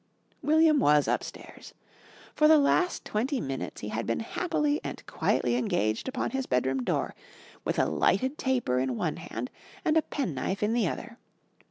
William was upstairs. For the last twenty minutes he had been happily and quietly engaged upon his bedroom door with a lighted taper in one hand and penknife in the other.